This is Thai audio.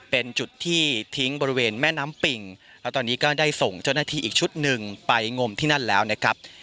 เป็นจุดที่ทิ้งบริเวณแม่น้ำปิ่งแล้วตอนนี้ก็ได้ส่งเจ้าหน้าที่อีกชุดหนึ่งไปงมที่นั่นแล้วนะครับ